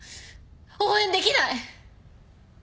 応援できない！